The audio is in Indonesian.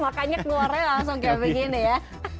makanya keluarnya langsung kayak begini ya